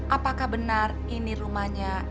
apakah benar ini rumahnya